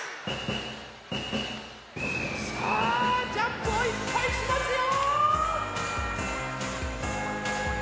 さあジャンプをいっぱいしますよ！